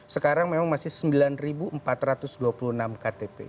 sekarang memang masih sembilan empat ratus dua puluh enam ktp